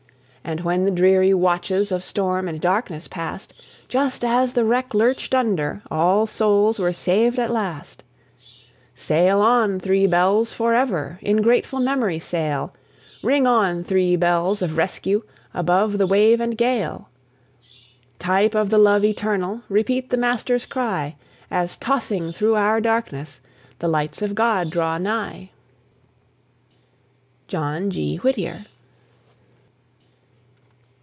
And when the dreary watches Of storm and darkness passed, Just as the wreck lurched under, All souls were saved at last. Sail on, Three Bells, forever, In grateful memory sail! Ring on, Three Bells of rescue, Above the wave and gale! Type of the Love eternal, Repeat the Master's cry, As tossing through our darkness The lights of God draw nigh! JOHN G. WHITTIER.